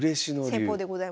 戦法でございます。